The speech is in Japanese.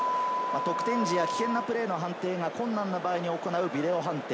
得点時や危険なプレーの判定が困難な場合に行うビデオ判定。